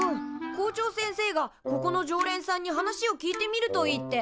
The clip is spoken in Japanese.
校長先生が「ここの常連さんに話を聞いてみるといい」って。